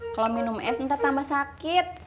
kalau minum es minta tambah sakit